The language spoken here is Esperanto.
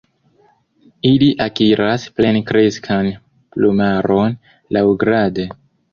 Ili akiras plenkreskan plumaron laŭgrade.